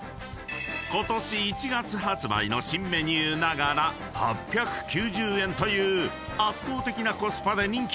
［ことし１月発売の新メニューながら８９０円という圧倒的なコスパで人気を集め］